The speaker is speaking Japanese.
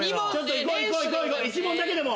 １問だけでも。